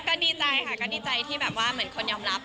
ก็ดีใจค่ะก็ดีใจที่แบบว่าเหมือนคนยอมรับ